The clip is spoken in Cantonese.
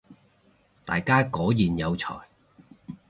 大家果然有才